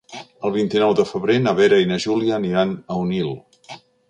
El vint-i-nou de febrer na Vera i na Júlia aniran a Onil.